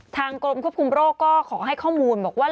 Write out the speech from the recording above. กรมควบคุมโรคก็ขอให้ข้อมูลบอกว่า